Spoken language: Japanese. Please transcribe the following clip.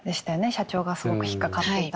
社長がすごく引っ掛かっていたのは。